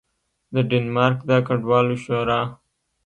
د ډنمارک د کډوالو شورا